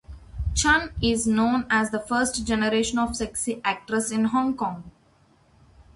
Chun is known as the first generation of sexy actress in Hong Kong.